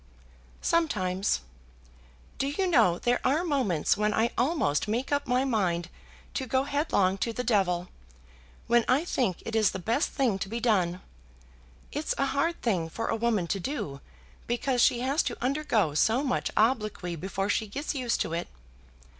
"Sometimes. Do you know, there are moments when I almost make up my mind to go headlong to the devil, when I think it is the best thing to be done. It's a hard thing for a woman to do, because she has to undergo so much obloquy before she gets used to it.